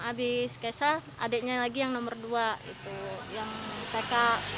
adeknya lagi yang nomor dua yang tk